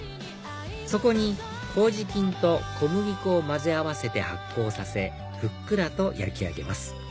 そこにこうじ菌と小麦粉を混ぜ合わせて発酵させふっくらと焼き上げます